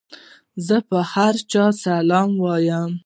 زه پر هر چا سلام وايم.